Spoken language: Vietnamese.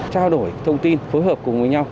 trao đổi thông tin phối hợp cùng với nhau